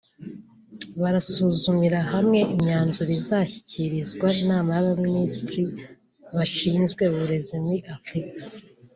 Barasuzumira hamwe imyanzuro izashyikirizwa inama y’abaminisitiri bashinzwe uburezi muri Afurika